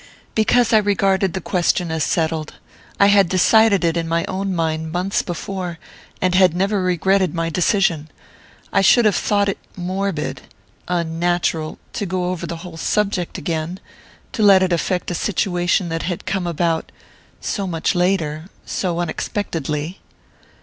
"Because I regarded the question as settled. I had decided it in my own mind months before, and had never regretted my decision. I should have thought it morbid...unnatural...to go over the whole subject again...to let it affect a situation that had come about...so much later...so unexpectedly."